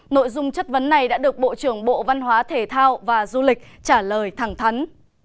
nội dung chất vấn này đã được bộ trưởng bộ văn hóa thể thao và du lịch trả lời thẳng thắn